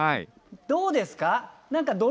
どうですか？